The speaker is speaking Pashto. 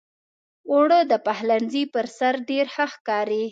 اوړه د پخلنځي پر سر ډېر ښه ښکاري